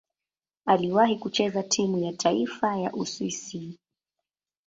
Aliwahi kucheza timu ya taifa ya Uswisi.